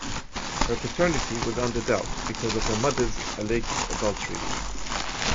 Her paternity was under doubt because of her mother's alleged adultery.